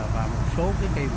và một số cái đêm